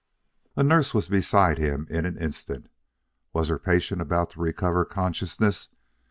A nurse was beside him in an instant. Was her patient about to recover consciousness?